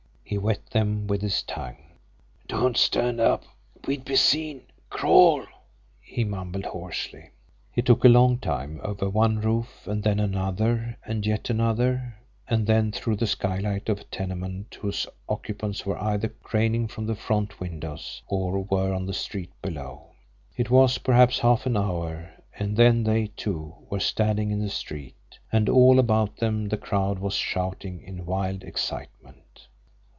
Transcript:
He wet them with his tongue. "Don't stand up we'd be seen CRAWL," he mumbled hoarsely. It took a long time over one roof, and then another, and yet another and then through the skylight of a tenement whose occupants were either craning from the front windows, or were on the street below. It was, perhaps, half an hour and then they, too, were standing in the street, and all about them the crowd was shouting in wild excitement.